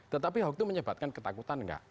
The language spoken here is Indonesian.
tetapi hoax itu menyebabkan ketakutan enggak